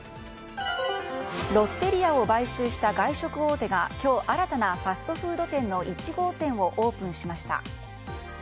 ロッテリアを買収した外食大手が今日、新たなファストフード店の１号店をオープンしました。